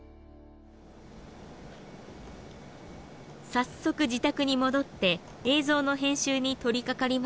早速自宅に戻って映像の編集に取りかかりました。